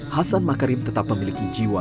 hasan makarim tetap memiliki jiwa